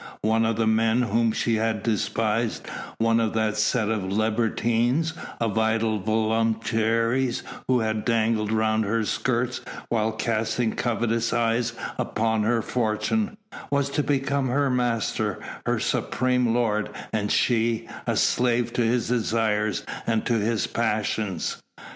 One of the men whom she had despised, one of that set of libertines, of idle voluptuaries who had dangled round her skirts whilst casting covetous eyes upon her fortune, was to become her master, her supreme lord, and she a slave to his desires and to his passions.